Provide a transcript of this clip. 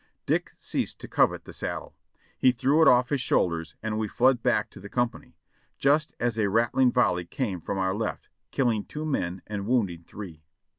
Dick ceased to covet the saddle. He threw it off his shoulders and we fled back to the company just as a rattling volley came from our left, killing two men and wounding three.